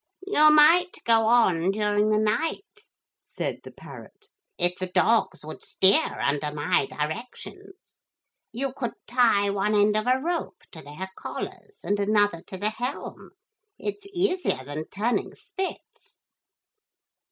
'You might go on during the night,' said the parrot, 'if the dogs would steer under my directions. You could tie one end of a rope to their collars and another to the helm. It's easier than turning spits.'